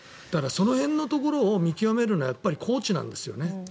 その辺のところを見極めるのはやっぱりコーチなんですよね。